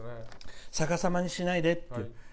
逆さまにしないでって。